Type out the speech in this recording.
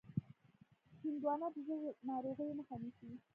هندوانه د زړه ناروغیو مخه نیسي.